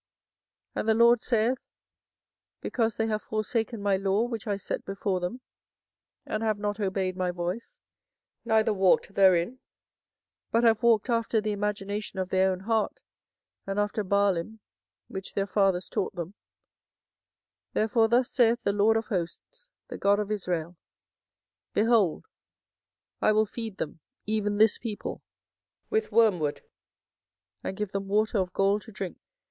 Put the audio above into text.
24:009:013 And the LORD saith, Because they have forsaken my law which I set before them, and have not obeyed my voice, neither walked therein; 24:009:014 But have walked after the imagination of their own heart, and after Baalim, which their fathers taught them: 24:009:015 Therefore thus saith the LORD of hosts, the God of Israel; Behold, I will feed them, even this people, with wormwood, and give them water of gall to drink.